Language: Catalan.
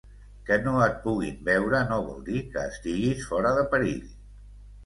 Que no et puguin veure no vol dir que estiguis fora de perill.